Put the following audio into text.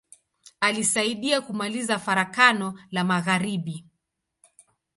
Alisaidia kumaliza Farakano la magharibi.